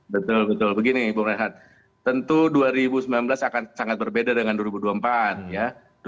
betul betul begini bung rehat tentu dua ribu sembilan belas akan sangat berbeda dengan dua ribu dua puluh empat ya